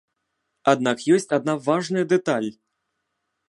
Аднак ёсць адна важная дэталь.